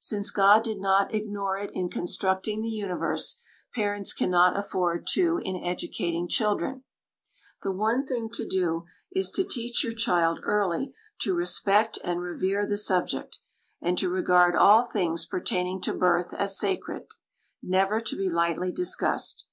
Since God did not ignore it in constructing the universe, parents cannot afford to in educating children. The one thing to do is to teach your child early to respect and revere the subject, and to regard all things pertaining to birth as sacred, never to be lightly discussed.